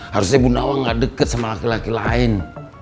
harusnya bu nawa gak deket sama laki laki lain